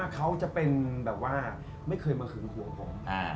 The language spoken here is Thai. ก็เป็นแบบว่าไม่เคยมาขึงห่วงผม